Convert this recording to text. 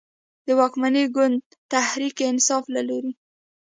د واکمن ګوند تحریک انصاف له لورې